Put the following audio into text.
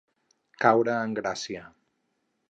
Caure en gràcia.